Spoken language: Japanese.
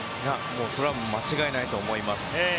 それは間違いないと思います。